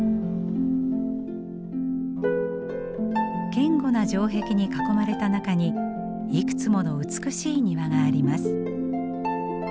堅固な城壁に囲まれた中にいくつもの美しい庭があります。